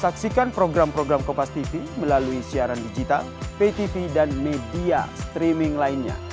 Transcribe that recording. saksikan program program kompastv melalui siaran digital ptv dan media streaming lainnya